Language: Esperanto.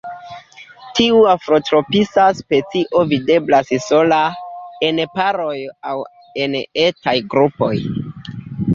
Tiu afrotropisa specio videblas sola, en paroj aŭ en etaj grupoj.